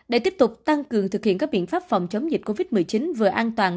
để tiếp tục tăng cường thực hiện các biện pháp phòng chống dịch covid một mươi chín vừa an toàn